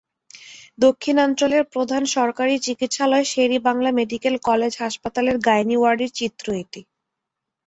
দক্ষিণাঞ্চলের প্রধান সরকারি চিকিৎসালয় শের-ই-বাংলা মেডিকেল কলেজ হাসপাতালের গাইনি ওয়ার্ডের চিত্র এটি।